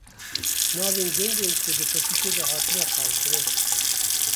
Navên gundên ku di pirtûkê de hatine qalkirin